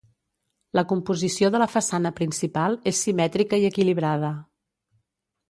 La composició de la façana principal és simètrica i equilibrada.